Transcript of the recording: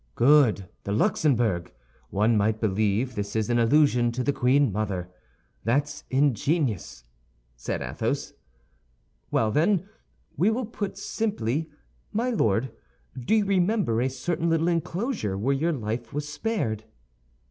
_" "Good, the Luxembourg! One might believe this is an allusion to the queen mother! That's ingenious," said Athos. "Well, then, we will put simply, _My Lord, do you remember a certain little enclosure where your life was spared?